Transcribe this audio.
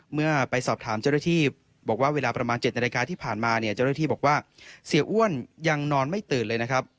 เมื่อไปสอบถามเจ้าหน้าที่บอกว่าเวลาประมาณ๗นาฬิกาที่ผ่านมาเนี่ยเจ้าหน้าที่บอกว่าเสียอ้วนยังนอนไม่ตื่นเลยนะครับ